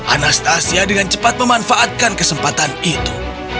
anastasia dengan cepat memanfaatkan kesempatan itu